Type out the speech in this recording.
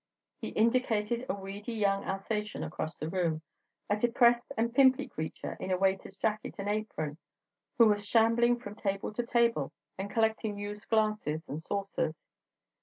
He indicated a weedy young Alsatian across the room, a depressed and pimply creature in a waiter's jacket and apron, who was shambling from table to table and collecting used glasses and saucers.